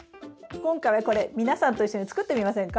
今回はこれ皆さんと一緒に作ってみませんか？